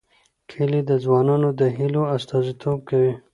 کلي د ځوانانو د هیلو استازیتوب کوي.